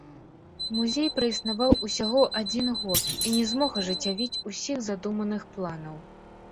Музей праіснаваў усяго адзін год і не змог ажыццявіць ўсіх задуманых планаў.